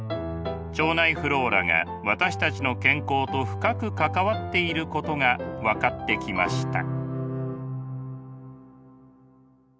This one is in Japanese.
腸内フローラが私たちの健康と深く関わっていることが分かってきました。